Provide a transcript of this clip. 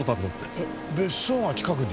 えっ別荘が近くに？